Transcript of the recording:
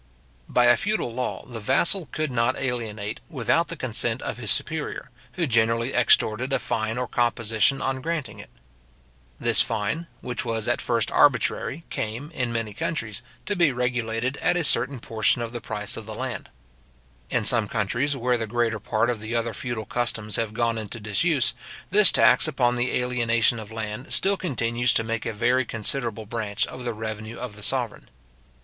By a feudal law, the vassal could not alienate without the consent of his superior, who generally extorted a fine or composition on granting it. This fine, which was at first arbitrary, came, in many countries, to be regulated at a certain portion of the price of the land. In some countries, where the greater part of the other feudal customs have gone into disuse, this tax upon the alienation of land still continues to make a very considerable branch of the revenue of the sovereign.